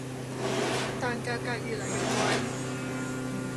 但價格越來越貴